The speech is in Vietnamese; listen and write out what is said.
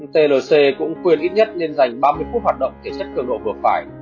tlc cũng quyền ít nhất nên dành ba mươi phút hoạt động để chất cường độ vượt phải